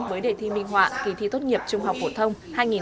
với đề thi minh họa kỳ thi tốt nghiệp trung học phổ thông hai nghìn hai mươi năm